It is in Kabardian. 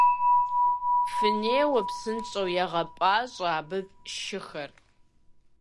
Фынеуэ, псынщӀэу, егъэпӀащӀэ абы шыхэр.